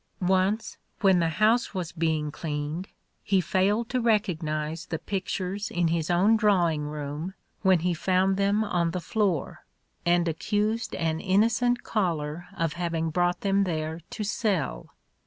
'' Once, when the house was being cleaned, he failed to recognize the pictures Those Extraordinary Twins i8i in his own drawing room when he found them on the floor, and accused an innocent caller of having brought them there to sell.